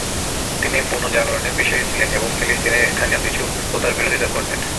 তিনি পুনর্জাগরণে বিশ্বাসী ছিলেন এবং ফিলিস্তিনের স্থানীয় কিছু প্রথার বিরোধিতা করতেন।